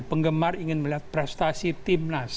penggemar ingin melihat prestasi timnas